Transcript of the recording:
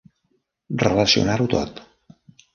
Relacionar-ho tot.